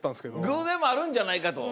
偶然もあるんじゃないかと。